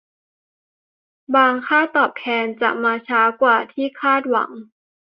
บางค่าตอบแทนจะมาช้ากว่าที่คาดหวัง